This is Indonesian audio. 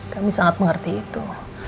kami sangat mengerti itu